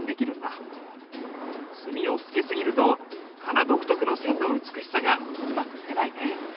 墨をつけすぎると仮名独特の線の美しさがうまく出ないね。